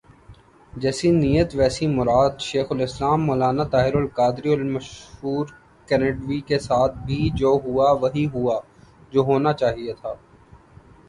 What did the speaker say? جیسی نیت ویسی مراد ، شیخ الاسلام مولانا طاہرالقادری المشور کینڈیوی کے ساتھ بھی جو ہوا ، وہی ہوا ، جو ہونا چاہئے تھا ۔